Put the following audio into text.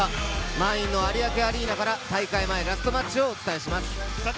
満員の有明アリーナから大会前ラストマッチをお伝えします。